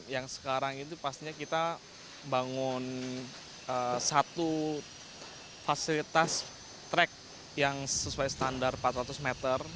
yang sekarang itu pastinya kita bangun satu fasilitas track yang sesuai standar empat ratus meter